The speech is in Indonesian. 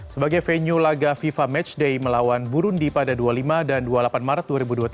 sebagai venue laga fifa matchday melawan burundi pada dua puluh lima dan dua puluh delapan maret dua ribu dua puluh tiga